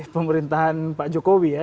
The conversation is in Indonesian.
pemerintahan pak jokowi ya